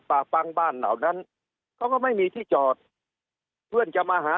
ป่าปังบ้านเหล่านั้นเขาก็ไม่มีที่จอดเพื่อนจะมาหา